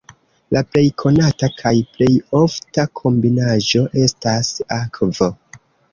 La plej konata kaj plej ofta kombinaĵo estas akvo.